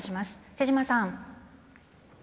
瀬島さん。